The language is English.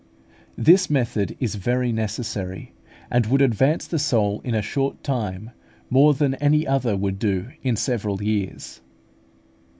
This method is very necessary, and would advance the soul in a short time more than any other would do in several years.